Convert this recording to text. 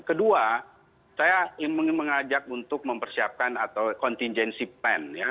kedua saya ingin mengajak untuk mempersiapkan atau contingency plan ya